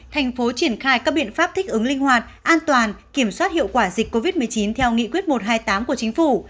thành phố triển khai các biện pháp thích ứng linh hoạt an toàn kiểm soát hiệu quả dịch covid một mươi chín theo nghị quyết một trăm hai mươi tám của chính phủ